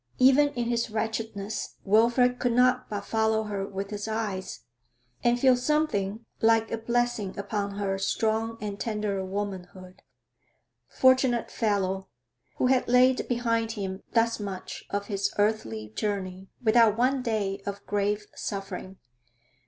Even in his wretchedness, Wilfrid could not but follow her with his eyes, and feel something like a blessing upon her strong and tender womanhood. Fortunate fellow, who had laid behind him thus much of his earthly journey without one day of grave suffering.